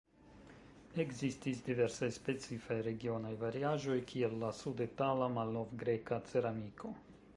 Ekzistis diversaj specifaj regionaj variaĵoj, kiel la sud-itala malnov-greka ceramiko.